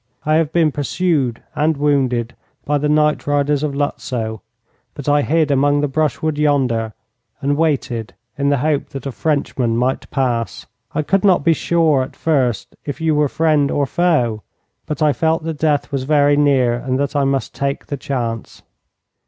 I have been pursued and wounded by the night riders of Lutzow, but I hid among the brushwood yonder, and waited in the hope that a Frenchman might pass. I could not be sure at first if you were friend or foe, but I felt that death was very near, and that I must take the chance.'